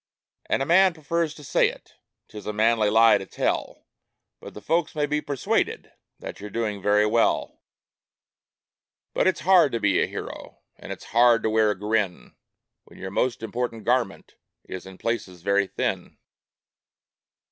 And a man prefers to say it 'tis a manly lie to tell, For the folks may be persuaded that you're doing very well ; But it's hard to be a hero, and it's hard to wear a grin, When your most important garment is in places very thin.